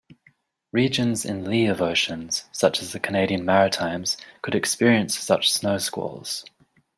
Regions in lee of oceans, such as the Canadian Maritimes could experience such snowsqualls.